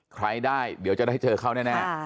ใครได้เดี๋ยวจะได้เจอเขาแน่